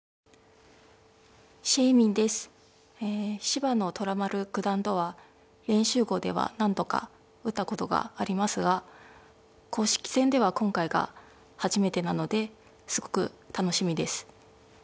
芝野虎丸九段とは練習碁では何度か打ったことがありますが公式戦では今回が初めてなのですごく楽しみです。